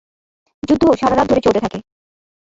যুদ্ধ সারা রাত ধরে চলতে থাকে।